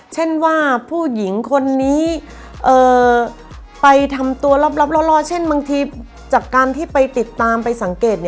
เช่นว่าผู้หญิงคนนี้ไปทำตัวลับล่อเช่นบางทีจากการที่ไปติดตามไปสังเกต